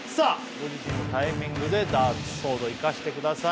ご自身のタイミングでダーツソード生かしてください